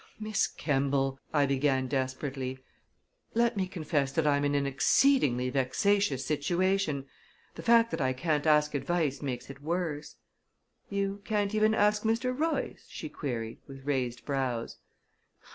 "Miss Kemball," I began desperately, "let me confess that I'm in an exceedingly vexatious situation. The fact that I can't ask advice makes it worse." "You can't ask even Mr. Royce?" she queried, with raised brows.